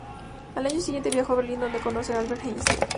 Al año siguiente viajó a Berlín donde conoce a Albert Einstein.